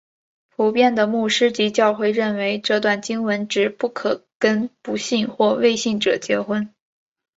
普遍的牧师及教会认为这段经文指不可跟不信或未信者结婚。